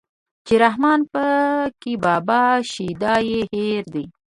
چې رحمان پکې بابا شيدا يې هېر دی